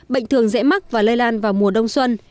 bệnh thường dễ mắc và lây lan vào mùa đông xuân